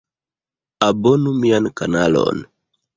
Abonu mian kanalon